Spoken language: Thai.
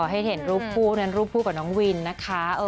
ให้เห็นรูปคู่นั้นรูปคู่กับน้องวินนะคะ